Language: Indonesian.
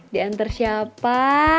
di antar siapa